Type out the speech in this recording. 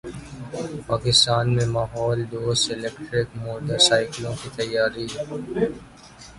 پاکستان میں ماحول دوست الیکٹرک موٹر سائیکلوں کی تیاری